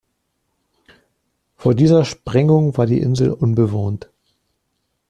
Vor dieser Sprengung war die Insel unbewohnt.